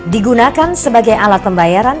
digunakan sebagai alat pembayaran